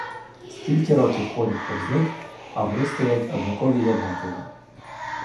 Скільки років ходить повз них, а вони стоять однакові й однакові.